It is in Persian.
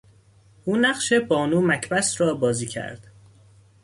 او نقش بانو مکبث را بازی کرد.